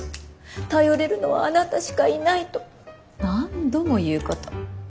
頼れるのはあなたしかいないと何度も言うこと。